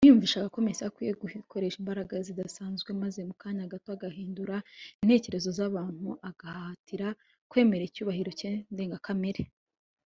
biyumvishaga ko mesiya, akwiriye gukoresha imbaraga zidasanzwe maze mu kanya gato agahindura intekerezo z’abantu, akabahatira kwemera icyubahiro cye ndengakamere